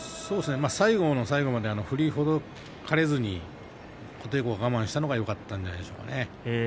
最後の最後まで振りほどかれずに我慢したのがよかったんじゃないでしょうか。